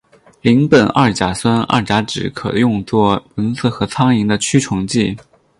邻苯二甲酸二甲酯可用作蚊子和苍蝇的驱虫剂。